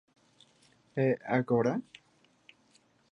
E Agora?".